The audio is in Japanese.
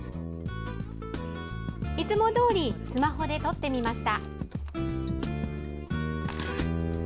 いつもどおりスマホで撮ってみました。